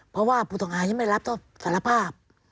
เพราะว่าผู้ต้องหายังไม่รับสารภาพ